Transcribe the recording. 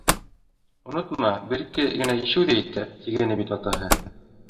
Онотма, бер-ике генә ишеү ҙә етә, тигәйне бит атаһы.